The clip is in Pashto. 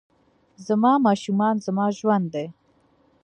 زما ماشومان زما ژوند دي